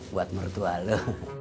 buat mertua lo